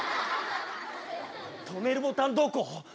止めるボタンどこ？